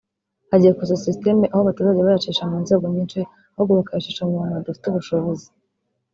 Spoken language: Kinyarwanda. hagiye kuza system aho batazajya bayacisha mu nzego nyinshi ahubwo bakayacisha mu bantu badafite ubushobozi